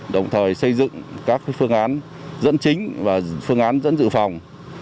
đồng thời xây dựng các phương án dẫn chính và phương án dẫn dự phòng